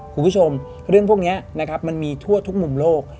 คุณผู้ชมเรื่องพวกนี้นะครับมันมีทั่วทุกมุมโลก